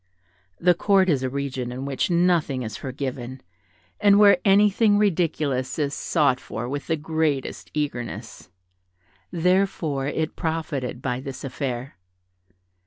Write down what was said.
The Court is a region in which nothing is forgiven, and where anything ridiculous is sought for with the greatest eagerness; therefore, it profited by this affair.